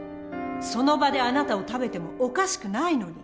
その場であなたを食べてもおかしくないのに。